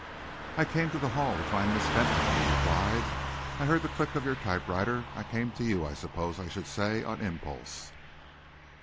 "I came to the Hall to find Miss Fentolin," he replied. "I heard the click of your typewriter. I came to you, I suppose I should say, on impulse."